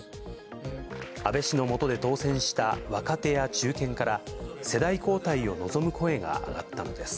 安倍氏の下で当選した若手や中堅から、世代交代を望む声が上がったのです。